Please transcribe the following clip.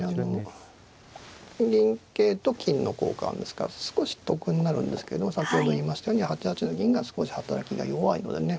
銀桂と金の交換ですから少し得になるんですけど先ほど言いましたように８八の銀が少し働きが弱いのでね